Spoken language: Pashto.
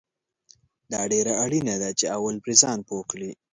دا ډیره اړینه ده چې اول پرې ځان پوه کړې